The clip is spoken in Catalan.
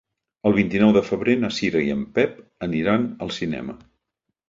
El vint-i-nou de febrer na Cira i en Pep aniran al cinema.